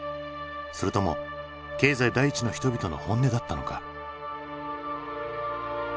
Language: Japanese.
それとも経済第一の人々の本音だったのか？